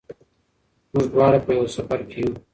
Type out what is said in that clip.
موږ دواړه په یوه سفر کې وو.